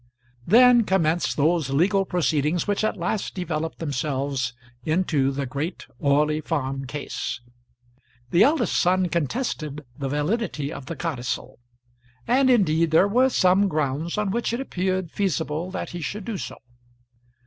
Then commenced those legal proceedings which at last developed themselves into the great Orley Farm Case. The eldest son contested the validity of the codicil; and indeed there were some grounds on which it appeared feasible that he should do so.